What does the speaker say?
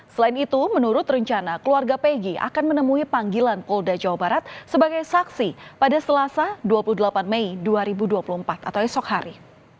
selain itu menurut rencana keluarga pg akan menemui panggilan polda jawa barat sebagai saksi pada selasa dua puluh delapan mei dua ribu dua puluh empat atau esok hari